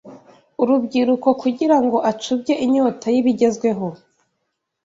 urubyiruko kugira ngo acubye inyota y’ibigezweho